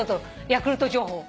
ヤクルト情報を。